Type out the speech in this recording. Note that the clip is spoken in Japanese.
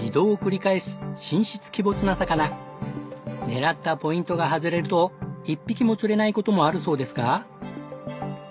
狙ったポイントが外れると１匹も釣れない事もあるそうですが。